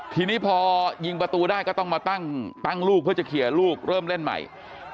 ทีนี้พอยิงประตูได้ก็ต้องมาตั้งลูกเพื่อจะเคลียร์ลูกเริ่มเล่นใหม่